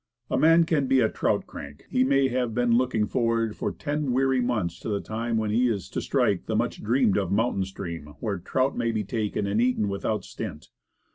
A man may be a trout crank, he may have been looking forward for ten weary months to the time when he is to strike the much dreamed of mountain stream, where trout may be taken and eaten without stint.